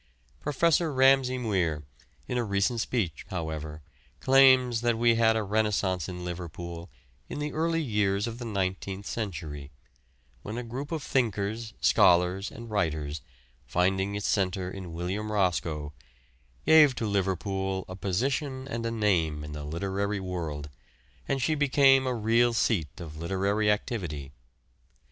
Professor Ramsay Muir, in a recent speech, however, claims that we had a Renaissance in Liverpool in the early years of the 19th century, when a group of thinkers, scholars, and writers, finding its centre in William Roscoe, gave to Liverpool a position and a name in the literary world, and she became a real seat of literary activity.